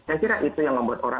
saya kira itu yang membuat orang